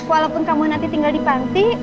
walaupun kamu nanti tinggal di panti